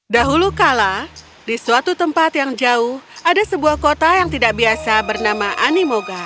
dahulu kala di suatu tempat yang jauh ada sebuah kota yang tidak biasa bernama animoga